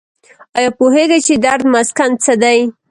ایا پوهیږئ چې درد مسکن څه دي؟